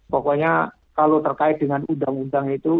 pokoknya kalau terkait dengan undang undang itu